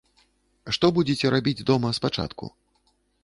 Што будзеце рабіць дома спачатку?